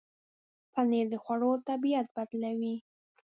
پنېر د خوړو طبعیت بدلوي.